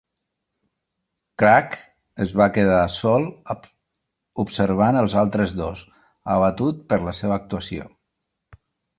Cragg es va quedar sol observant els altres dos, abatut per la seva actuació.